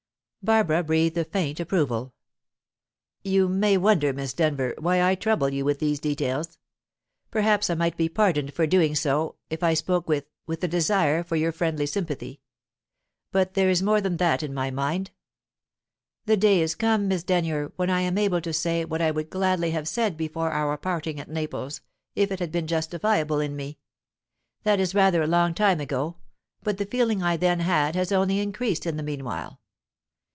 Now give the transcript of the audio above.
Barbara breathed a faint approval. "You may wonder, Miss Denyer, why I trouble you with these details. Perhaps I might be pardoned for doing so, if I spoke with with a desire for your friendly sympathy. But there is more than that in my mind. The day is come, Miss Denyer, when I am able to say what I would gladly have said before our parting at Naples, if it had been justifiable in me. That is rather a long time ago, but the feeling I then had has only increased in the meanwhile.